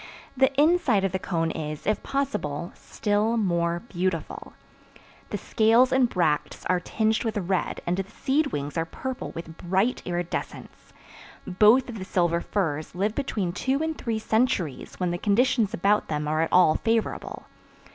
The inside of the cone is, if possible, still more beautiful. The scales and bracts are tinged with red and the seed wings are purple with bright iridescence. Both of the silver firs live between two and three centuries when the conditions about them are at all favorable.